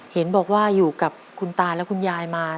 เห็นบอกว่าอยู่กับคุณตาและคุณยายมา